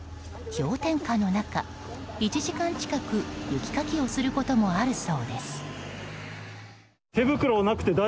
氷点下の中、１時間近く雪かきをすることもあるそうです。